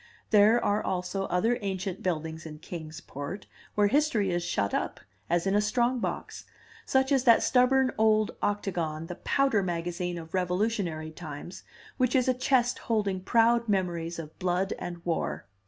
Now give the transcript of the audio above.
There are also other ancient buildings in Kings Port, where History is shut up, as in a strong box, such as that stubborn old octagon, the powder magazine of Revolutionary times, which is a chest holding proud memories of blood and war.